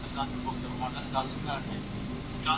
کابل ته د تګ خیال هغې ته نوې هیله وربښله.